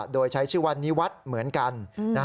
โดยใช้ชื่อว่านิวัฒน์เหมือนกัน